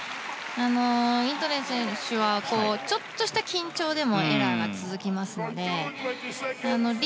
インタノン選手はちょっとした緊張でもエラーが続きますので。